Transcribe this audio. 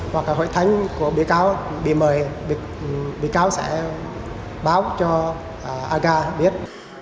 hoặc là hội thánh của bí cáo bị mời bí cáo sẽ báo cho aga biết